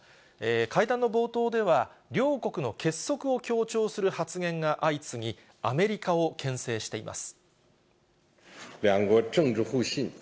会談の冒頭では、両国の結束を強調する発言が相次ぎ、アメリカをけん制しています。